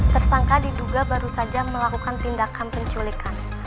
tersangka diduga baru saja melakukan tindakan penculikan